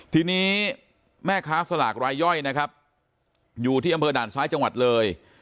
ทีนี้แม่ค้าสลากรายย่อยนะครับอยู่ที่อำเภอด่านซ้ายจังหวัดเลย